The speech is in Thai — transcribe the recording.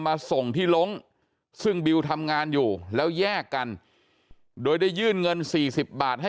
มาส่งที่ลงซึ่งบิวทำงานอยู่แล้วแยกกันโดยได้ยื่นเงิน๔๐บาทให้